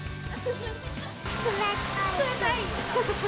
冷たい。